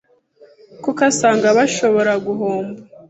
kuko asanga bashobora guhomba.